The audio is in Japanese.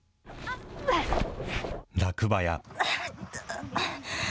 落馬や。